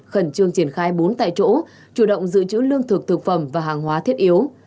khẩn trương triển khai bốn tại chỗ chủ động giữ chữ lương thực thực phẩm và hàng hóa thiết yếu